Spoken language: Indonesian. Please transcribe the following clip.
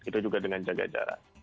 itu juga dengan jaga jarak